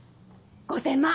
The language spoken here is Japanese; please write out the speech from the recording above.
５０００万！